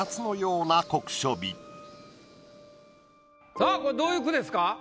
さぁこれどういう句ですか？